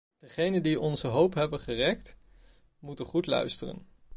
Degenen die onze hoop hebben gerekt, moeten goed luisteren.